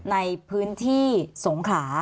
ในพื้นที่สงขลา